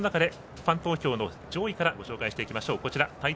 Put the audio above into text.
ファン投票の上位から紹介していきましょう。